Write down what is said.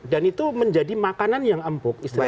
dan itu menjadi makanan yang empuk